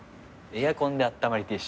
エアコンであったまりてえし。